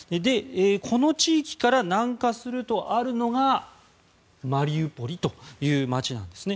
この地域から南下するとあるのがマリウポリという町なんですね。